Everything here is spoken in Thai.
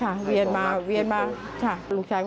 คือตอนที่แม่ไปโรงพักที่นั่งอยู่ที่สพ